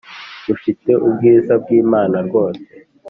rufite ubwiza bw’Imana rwose